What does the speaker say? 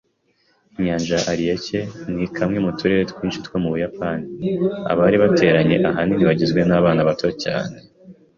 Inyanja ya Ariake ni kamwe mu turere twinshi two mu Buyapani. Abari bateranye ahanini bagizwe nabana bato cyane.